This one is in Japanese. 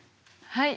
はい。